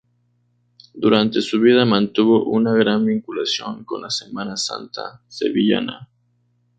Durante su vida mantuvo una gran vinculación con la Semana Santa sevillana.